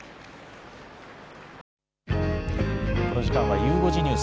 この時間は、ゆう５時ニュース。